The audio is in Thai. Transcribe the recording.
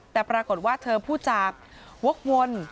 แต่ปรากฏว่าเธอพูดจากวกวน